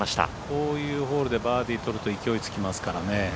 こういうホールでバーディー取ると勢いつきますからね。